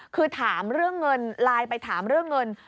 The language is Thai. คือถามเรื่องเงินไลน์ไปถามเรื่องเงิน